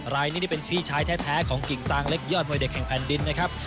รายนี้นี่เป็นพี่ชายแท้ของกิ่งซางเล็กยอดมวยเด็กแห่งแผ่นดินนะครับ